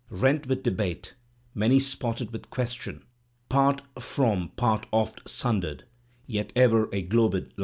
Rent with debate, many spotted with question, part From part oft sundered, yet ever a globM light.